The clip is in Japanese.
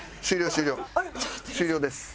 終了です。